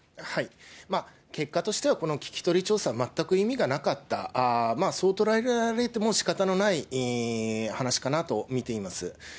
結果としては、この聞き取り調査は全く意味がなかった、そう捉えられてもしかたのない話かなと見ています。